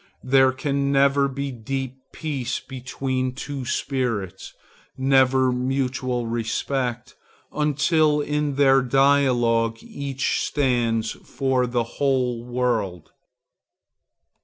There can never be deep peace between two spirits, never mutual respect, until in their dialogue each stands for the whole world.